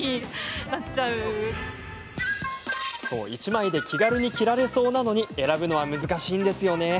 １枚で気軽に着られそうなのに選ぶのは難しいんですよね。